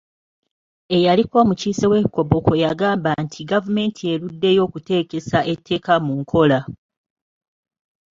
Eyaliko omukiise w'e Koboko yagamba nti gavumenti eruddeyo okuteekesa etteeka mu nkola.